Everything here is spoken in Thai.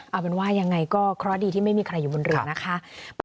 เอาเป็นว่ายังไงก็เคราะห์ดีที่ไม่มีใครอยู่บนเรือนะคะ